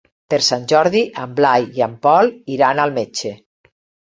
Per Sant Jordi en Blai i en Pol iran al metge.